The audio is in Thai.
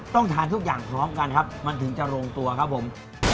ต้องทานทุกอย่างพร้อมกันครับมันถึงจะลงตัวครับผม